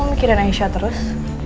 lo mikirin aisyah terus